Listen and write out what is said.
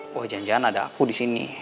wah jangan jangan ada aku disini